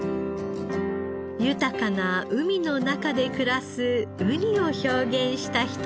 豊かな海の中で暮らすウニを表現したひと皿。